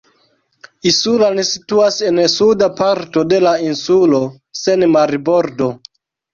Isulan situas en suda parto de la insulo sen marbordo.